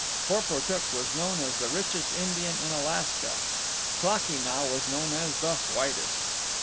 Porportuk was known as the richest Indian in Alaska. Klakee Nah was known as the whitest.